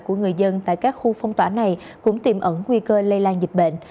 của người dân tại các khu phong tỏa này cũng tiềm ẩn nguy cơ lây lan dịch bệnh